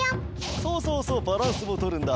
そうそうそうバランスもとるんだ。